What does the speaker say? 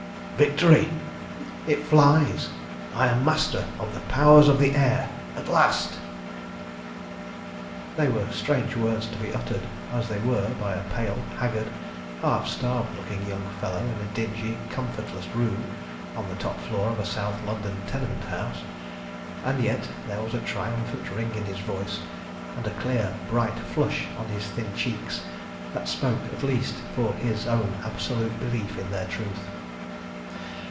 "Victory! It flies! I am master of the Powers of the Air at last!" They were strange words to be uttered, as they were, by a pale, haggard, half starved looking young fellow in a dingy, comfortless room on the top floor of a South London tenement house; and yet there was a triumphant ring in his voice, and a clear, bright flush on his thin cheeks that spoke at least for his own absolute belief in their truth.